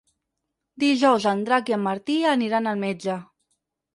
Dijous en Drac i en Martí aniran al metge.